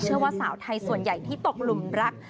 ว่าสาวไทยส่วนใหญ่ที่ตกหลุมรัก